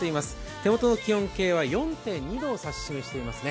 手元の気温計は４．２度を指し示していますね。